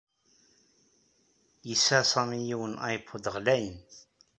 Yesɛa Sami yiwen n iPod ɣlayen.